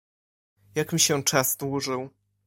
"Jak mi się czas dłużył."